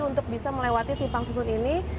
untuk bisa melewati simpang susun ini